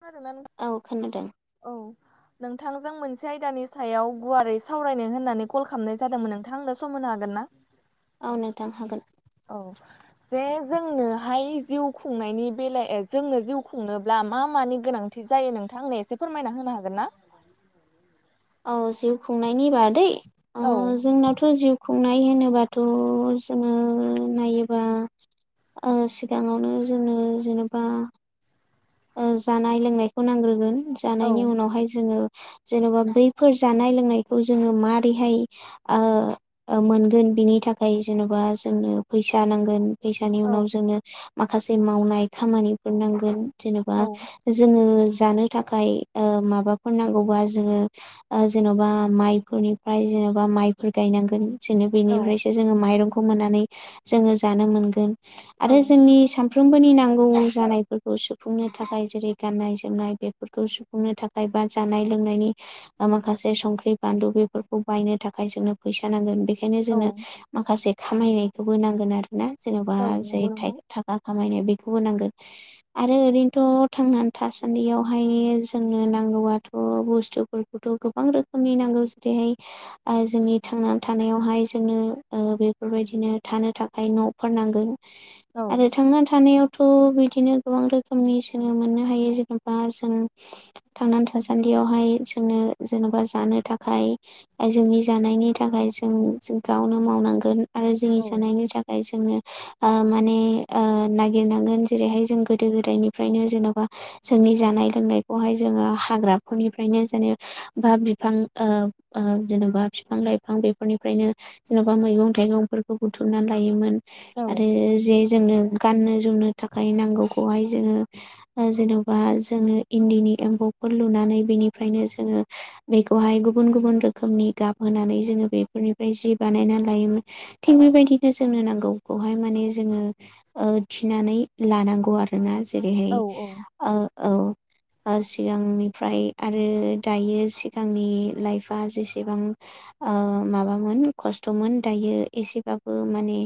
खोनादों ना नोंथां औ खोनादों औ नोंथांजों मोनसे आयदानि सायाव गुवारै सावरायनो होननानै कल खालामनाय जादोंमोन नोंथां आंनो सम होनो हागोन ना औ नोंथां हागोन औ जे जोंनोहाय जिउ खुंनायनि बेलायाव जोंनो जिउ खुंनोब्ला मा मानि गोनांथि थि जायो नोंथांनो एसे फोरमायना होनो हागोन ना औ जिउ खुंनायनि बादै ओ औ जोंनावथ' जिउ खुंनाय होनोबाथ' जोङो नायोबा सिगाङावनो जोङो जेनेबा जानाय लोंनायखौ नांग्रोगोन औ जानायनि उनावहाय जोङो जेन'बा बैफोर जानाय लोंनायखौ जोङो मारैहाय मोनगोन बिनि थाखाय जेन'बा जोंनो फैसा नांगोन फैसानि औ उनाव जोंनो माखासे मावनाय खामानिफोर नांगोन जेनेबा औ जोङो जानो थाखाय माबाफोर नांगौबा जोङो जेन'बा माइफोरनिफ्राय जेन'बा माइफोर गायनांगोन जोङो औ बेनिफ्रायसो जोङो माइरंखौ मोननानै जोङो जानो मोनगोन औ आरो जोंनि साफ्रोमबोनि नांगौ जानायफोरखौ सो सुफुंनो थाखाय जेरै गाननाय जोमनाय बेफोरखौ सुफुंनो थाखाय बा जानाय लोंनायनि माखासे संख्रि बानलु बेफोरखौ बायनो थाखाय जोंनो फैसा नांगोन बे बेखायनो औ जोंनो माखासे खामायनायखौबो नांगोन आरो ना जेन'बा औ नंगौ ज नोंथां बा खामायनाय बेखौबो नांगोन आरो ओरैनोथ' थांनानै थासान्दियावहाय जोंनो नांगौबाथ' बुस्थु खौथ' गोबां रोखोमनि नांगौ जेरैहाय जोंनि थांनानै थानायावहाय जोंनो बेफोरबायदिनो थानो थाखाय न'फोर नांगोन औ आरो थांना थानायावथ' बिदिनो गोबां रोखोमनि जोनो मोननो हायो जेनेबा जों थांनानै थासान्दियावहाय जोंनो जेन'बा जानो थाखाय जोंनि जानायनि थाखाय जों गावनो मावनांगोन आरो जोंनि औ जानायनि थाखाय जोंङनो माने नागिरनांगोन जेरैहाय जों गोदो गोदायनिफ्रायनो जेन'बा जोंनि जानाय लोंनायखौहाय जोङो हाग्राफोरनिफ्रायनो जेने बा बिफां जेनेबा बिफां लाइफां बेफोरनिफ्रायनो जेन'बा मैगं थाइगंफोरखौ बुथुमनानै लायोमोन औ आरो जे जोंनो गाननो जोमनो थाखाय नांगौखौहाय जोङो जेन'बा जोङो इन्दिनि एम्फौफोर लुनानै बेनिफ्रायनो जोङो बेखौहाय गुबुन गुबुन रोखोमनि गाबहानै जोङो बेफोरनिफ्राय जि बानायना लायोमोन थिग बेबायदिनो जोंनो नांगौखौहाय माने जोङो थिनानै लानांगौ आरो आरोना औ जेरैहाय औ सिगांनिफ्राय आरो दायो सिगांनि लाइफआ जेसेबां माबामोन खस्थ'मोन दायो एसेबाबो माने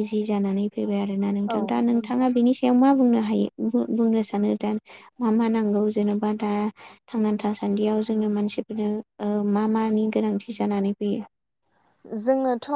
इजि जानानै फैबाय आरो ना औ नोंथां दा नंगौ नोंथां नोंथाङा बेनि आथाययाव मा बुंनो हायो बुंनो सानो दा मा मा नांगौ जेन'बा दा थांनानै थासान्दियाव जोंनो मानसिफोरनो मा मानि गोनांथि जानानै फैयो जोंनोथ'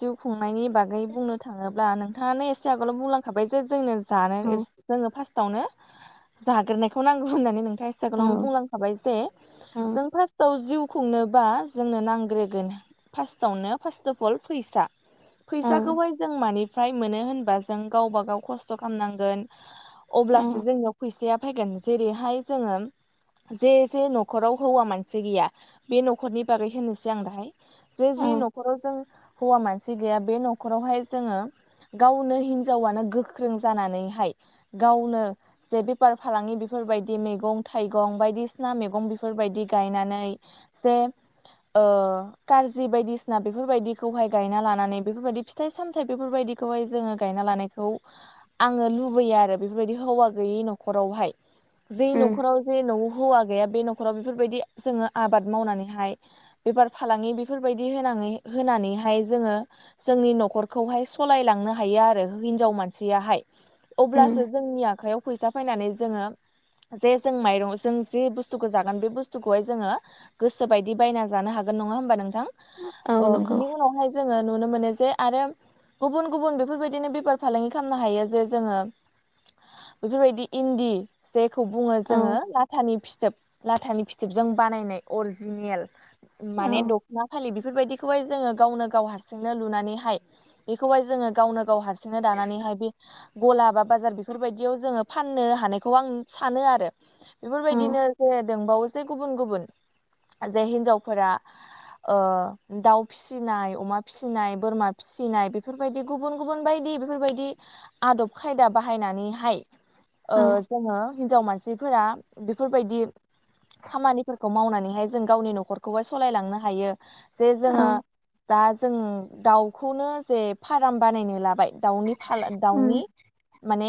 जिउ खुंनायनि बागै बुंनो थाङोब्ला नोंथाङानो एसे आगोलाव बुंलांखाबाय जे जोंनो जानो औ जोङो फार्स्टआवनो जाग्रोनायखौ नांगौ होननानै नोंथां सेकेणडआवनो औ बुंलांखाबाय जे औ जों फार्स्टआव जिउ खुंनोबा जोंनो नांग्रोगोन नो फारसटअफ अल फैसा औ फैसाखौहाय जों माने फ्राय मोनो होनबा जों गावबा गाव खस्थ' खालामनांगोन अब्लासो औ जोंनियाव फैसाया फैगोन जेरैहाय जोङो जे जे न'खराव हौवा मानसि गैया बे न'खरनि बागै होनोसै आं दाहाय जे जि औ न'खराव जों सि गैया बे न'खरावहाय जोङो गावनो हिनजावानो गोख्रों जानानैहाय गावनो जे बेफार फालांगि बेफोरबायदि मैगं थाइगं बायदिसिना मैगं बेफोरबायदि गायनानै जे ओ जि बायदिसिना बेफोरबायदिखौहाय गायना लानानै बेफोरबायदि फिथाइ सामथायाइ बेफोरबायदिखौहाय जोङो गायना लानाय खौ आङो लुबैयो आरो बेफोरबायदि हौवा गैयै न'खरावहाय जों उम न'खराव जे न'आव हौवा गैया बे न'खराव बेफोरबायदि जोङो आबाद मावनानैहाय बेफार फालांगि बेफोरबायदि होनानै होनानैहाय जोङो जोंनि न'खरखौहाय सालायलांनो हायो आरो हिनजाव मानसियाहाय उम अब्लासो जोंनि आखयाव फैसा फैनानै जोङो जे जों माइरं जों जि बुस्थुखौ जागोन बे बुस्थुखौहाय जोङो गोसो बायदि बायना जानो हागोन नङा होमबा नोंथां औ नंगौ बिनि उनावहाय जोङो नुनो मोनो जे आरो गुबुन गुबुन बेफोरबायदिनो बेफार फालांगि खालामनो हायो जे जोङो बेफोरबायदि इन्दि जेखौ बुङो औ जोङो लाथानि फिथोब लाथानि फिथोबजों बानायनाय अरिजिनेल औ माने मा खालि बेफोरबायदिखौहाय जोङो गावनो गाव हारसिंनो लुनानैहाय बेखौहाय जोङो गावनो गाव हारसि बिदिनो दानानैहाय बे गला बा बाजार बेफोरबायदियाव जोङो फाननो हानायखौ आं सानो आरो औ बेफोरबायदिनो जे दंबावो से गुबुन गुबुन जे हिनजावफोरा दाउ फि फिसिनाय अमा फिसिनाय बोरमा फिसिनाय बेफोरबायदि गुबुन गुबुन बायदि बेफोरबायदि आदब खायदा बाहायनानैहाय ओ औ जोङो हिन्जाव मानसिफोरा बेफोरबायदि खामानिफोरखौ मावनानैहाय जों गावनि न'खरखौहाय सालायलांनो हायो जे जोङो औ दा जों दाउखौनो जे फार्म बानायनो लाबाय दाउनि दाउनि उम माने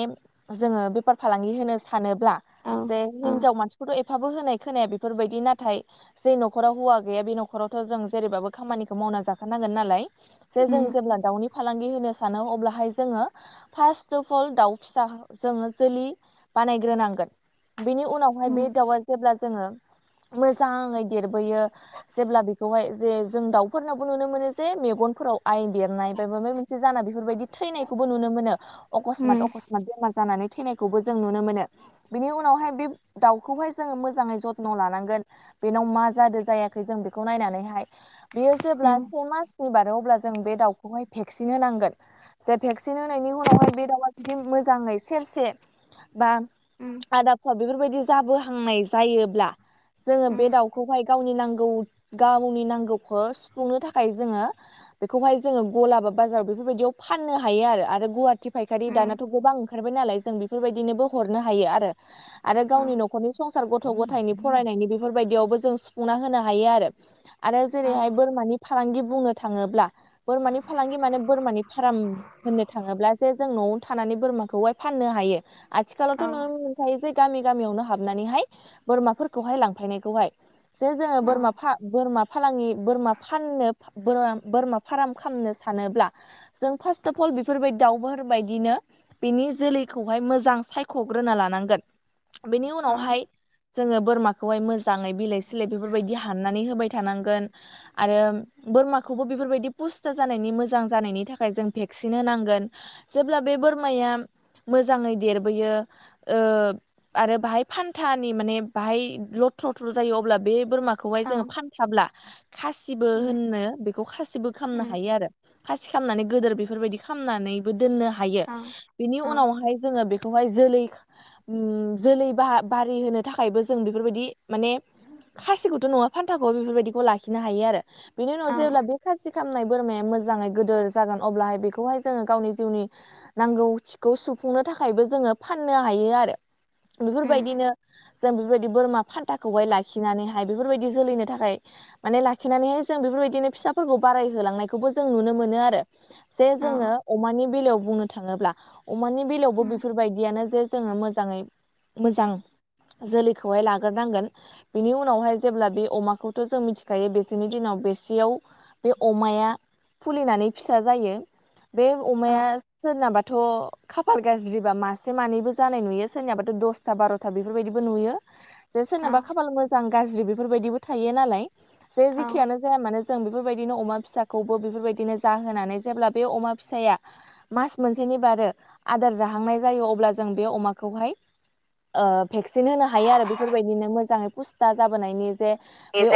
जोङो बेफार फालांगि होनो सानोब्ला औ जेन औ हिनजाव मानसि खौथ' एफाबो होनाय खोनाया बेफोरबायदि नाथाय जे न'खराव हौवा गैया बे न'खराव थ' जों जेरैबाबो खामानिखौ मावना जाखानांगोन नालाय जे जों जेब्ला दाउनि फालांगि होनो सानो अब्लाहाय जोङो फार्स्ट अफ अल दाउ फिसा जोङो जोलै बानायग्रोनांगोन बेनि उनावहाय बे दाउआ जेब्ला जोङो मोजाङै देरबोयो जेब्ला बे बेखौहाय जे जों दाउफोरनावबो नुनो मोनो जे मेगनफोराव आइ देरनाय ब माब मोनसे से जाना बेफोरबायदि थैनायखौबो नुनो मोनो अकसमात अकसमात बेमार जानानै थैनायखौबो जों नुनो मोनो बिनि उनावहाय बे दाउखौहाय जोङो मोजाङै जथन' लानांगोन बेनाव मा जादों जायाखै जों बेखौ नायनानैहाय बेयो जेब्ला से मासनि बारो अब्ला जों बे दाउखौहाय भेक्सिन होनांगोन जे भेक्सिन होनायनि उनावहाय बे दाउआ जुदि मोजाङै सेरसे बा आदाबफ्रा बेफोरबायदि जाबोहांनाय जायोब्ला जोङो बे दाउखौहाय गावनि नांगौ गावनि नांगौखौ सुफुंनो थाखाय जोङो बेखौहाय जोङो गला बा बाजाराव बेफोरबायदियाव फाननो हायो आरो गुवाहाटि फायखारि दानाथ' गोबां ओंखारबाय नालाय जों बेफोरबायदिनोबो हरनो हायो आरो आरो गावनि न'खरनि संसार गथ' गथायनि फरायनायनि बेफोरबायदियावबो जों सुफुंना होनो हायो आरो आरो जेरैहाय बोरमानि फालांगि बुंनो थाङोब्ला बोरमानि फालांगि माने बोरमानि फार्म होननो थाङोब्ला जे जों न'आवनो थानानै बोरमाखौहाय फाननो हायो आथिखालावथ' नुनो मोनखायो जे गामि गामियावनो हाबनानै बोरमाफोरखौहाय लांफैनायखौहाय जे बोरमा बोरमा फालांगि बोरमा फाननो बोरमा फार्म खालामनो सानोब्ला जों फार्स्ट अफ अल बेफोरबायदि दाउफोर बायदिनो बिनि जोलैखौहाय मोजां सायख'ग्रोना लानांगोन बेनि उनावहाय जोङो बोरमाखौहाय मोजाङै बिलाइ सिलाय बेफोरबायदि हाननानै होबाय थानांगोन आरो बोरमाखौबो बेफोरबायदि पुस्ता जानायनि मोजां जानायनि थाखाय जों भेक्सिन होनांगोन जेब्ला बे बोरमाया मोजाङै देरबोयो आरो बाहाय फान्थानि माने बाहाय लथ्र'थ्र' जायो अब्ला बे बोरमा खौहाय जोङो फानथाब्ला खासिबो होननो बेखौ खासिबो खालामनो हायो आरो खासि खालामनानै गदोर बेफोरबायदि खालामनानैबो दोननो हायो बेनि उनावहाय जोङो बे खौहाय जोलै उम जोलै बाहा बारि होनो थाखायबो जों बेफोरबायदि माने खासिखौ नङा फान्थाखौ बेफोरबायदिखौ लाखिनो हायो आरो बेनि उनाव जेब्ला बे खाथि खालामामनाय बोरमाया मोजाङै गिदोर जागोन अब्लाहाय बेखौहाय जोङो गावनि जिउनि नांगौथिखौ सुफुंनो थाखायबो जोङो फाननो हायो आरो बेफोरबायदिनो जों बेफोरबायदि बोरमा फान्थाखौहाय लाखिनानैहाय बेफोरबायदि जोलैनो थाखाय माने लाखिनानैहाय जों बेफोरबायदिनो फिसाफोरखौ बारायहोलांनायखौबो जों नुनो मोनो आरो जे जोङो अमानि बेलायाव बुंनो थाङोब्ला अमानि बेलायावबो बेफोरबायदियानो जे जोङो मोजाङै मोजां जोलैखौहाय लाग्रोनांगोन बिनि उनावहाय जेब्ला बे अमाखौथ' जों मिथिखायो बेसोरनि दिनाव बेसेयाव बे अमाया फुलिनानै फिसा जायो बे अमाया सोरनाबाथ' खाफाल गाज्रिबा मासे मानैबो जानाय नुयो सोरनियाबाथ' दसथा बार'था बेफोरबायदिबो नुयो। जे सोरनबा खाफाल मोजां गाज्रि बेफोरबायदिबो थायो नालाय जे जेखियानो जाया मानो जों बेफोरबायदिनो अमा फिसाखौबो बेफोरबायदिनो जाहोनानै जेब्ला बे अमा फिसाया मास मोनसेनि बारो आदार जाहांनाय जायो अब्ला जों बे अमाखौहाय ओ भेक्सिन होनो हायो आरो बेफोरबायदिनो मोजाङै पुस्था जाबोनायनि जे बे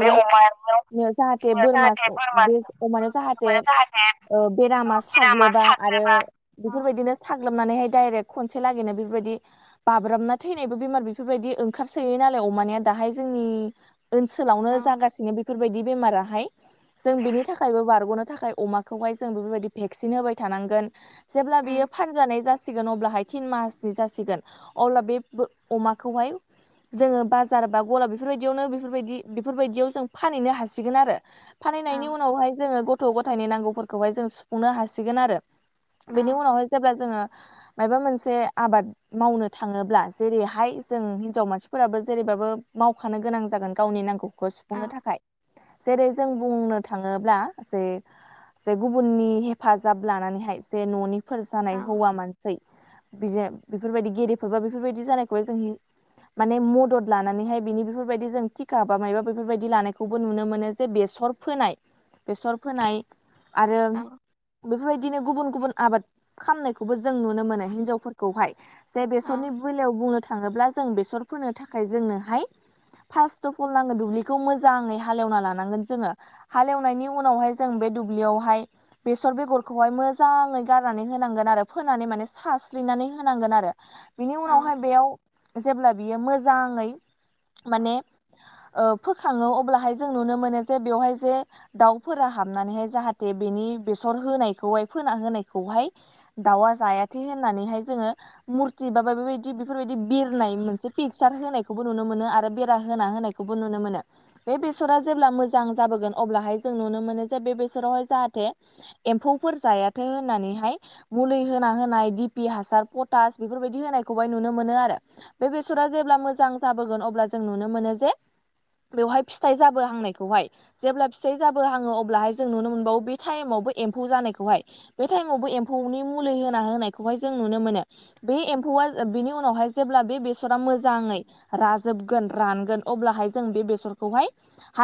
बे अमायाव जाहाथे बोरमा जाहाथे बोरमा बे अमानायाव जाहाथे ओ बेरामा बेरामा साग्लोबा आरो साग्लोबा औ बेफोरबायदिनो साग्लोबनानैहाय डाइरेक्ट खनसे लागैनो बेफोरबायदि बाब्राबना थैनायबो बेमार बेफोरबायदि ओंखारसोयो नालाय अमानिया दाहाय जोंनि ओनसोलावनो औ जागासिनो बेफोरबायदि बेमाराहाय। जों बिनि थाखायबो बारग'नो थाखाय अमाखौहाय जों बेबायदि भेक्सिन होबाय थानांगोन। जेब्ला बियो औ फानजानाय जासिगोन अब्लाहाय तिन मासनि जासिगोन। अब्ला बे अमाखौहाय जोङो बाजार बा गला बेफोरबायदि यावनो बेफोरबायदि-बेफोरबायदियाव जों फानहैनो हासिगोन आरो फाननायनि औ उनावहाय जोङो ग गथ' गथायनि नांगौफोरखौहाय जों सुफुंनो हासिगोन आरो औ बेनि उनावहाय जेब्ला जोङो मायोबा मोनसे आबाद मावनो थाङोब्ला जेरैहाय जों हिनजाव मानसिफोराबो जेरैबाबो माव खानो गोनां जागोन गावनि नांगौखौ सुफुंनो थाखाय। जेरै जों बुंनो थाङोब्ला जे जे गुबुननि हेफाजाब लानानैहाय जे न'निफोर जानाय हौवा औ मान बिजे बेफोरबायदि गेदेरफोरबा बेफोरबायदि जानायखौहाय जों हि माने मदद लानानैहाय बिनि बेफोरबायदि जों थिखा बा मायबा बेफोरबायदि लानायखौबो नुनो मोनो जे बेसर फोनाय बेसर फोनाय आरो औ बेफोरबायदिनो गुबुन गुबुन आबाद खामनायखौबो जों नुनो मोनो हिनजावफोरखौहाय। जे औ बेसरनि बेलायाव बुंनो थाङोब्ला जों बेसर फोनो थाखाय जोंनोहाय फार्स्ट अफ अल आङो दुब्लिखौ मोजाङै हालेवना लानांगोन जोङो। हालेवनायनि उनावहाय जों बे दुब्लियावहाय बेसर बेगरखौहाय मोजाङै गारनानै होनांगोन आरो फोनानै माने सास्रिनानै होनांगोन आरो। बिनि औ उनावहाय बेयाव जेब्ला बियो मोजाङै माने ओ फोखाङो अब्लाहाय जों नुनो मोनो जे बेवहाय जे दाउफोरा हाबनानैहाय जाहाथे बेनि बेसर होनायखौहाय फोना होनायखौहाय दाउआ जायाथे होननानैहाय जोङो मुर थि बा बेबायदि बेफोरबायदि बिरनाय मोनसे पिकसार होनायखौबो नुनो मोनो आ रो बेरा होना होनायखौबो नुनो मोनो। बे बेसरा जेब्ला मोजां जाबोगोन अब्लाहाय जों नुनो मोनो जे बे बेसरावहाय जाहाथे एम्फौफोर जायाथो होननानैहाय मुलै होना होनाय दि पि हासार पटास बेफोरबायदि होनायखौहाय नुनो मोनो आरो। बे बेसरा जेब्ला मोजां जाबोगोन अब्ला जों नुनो मोनो जे बेवहाय फिथाइ जाबो हांनायखौहाय जेब्ला फिसाय जाबो हाङो अब्लाहाय जों नुनो मोनबावो बे टाइमावबो एम्फौ जानायखौहाय। बे टाइमावबो एम्फौनि मुलै होना होनायखौहाय जों नुनो मोनो। बे एम्फौआ बेनि उनावहाय जेब्ला बे बेसरा मोजाङै राजोब गोन रानगोन अब्लाहाय जों बे बेसरखौहाय हा